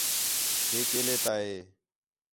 ہے کیلے تا ہے